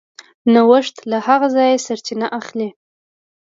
نوښت له هغه ځایه سرچینه اخلي.